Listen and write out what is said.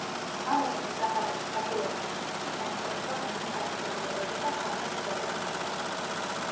ამ ეპოქის სახარების ქართულენოვანი ტექსტი საინტერესოა ენის თავისებურებებით და ხანმეტ ძეგლებს წარმოადგენს.